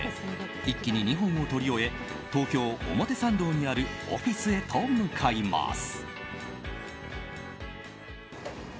一気に２本を撮り終え東京・表参道にあるオフィスへと向かいます。